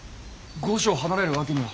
御所を離れるわけには。